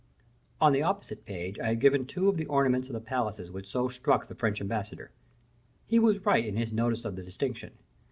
On the opposite page I have given two of the ornaments of the palaces which so struck the French ambassador. He was right in his notice of the distinction.